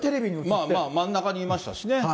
まあまあ、真ん中にいましたしね。